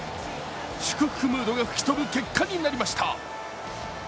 祝福ムードが吹き飛ぶ結果になりました。